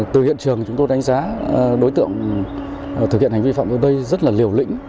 từ hiện trường chúng tôi đánh giá đối tượng thực hiện hành vi phạm tội đây rất là liều lĩnh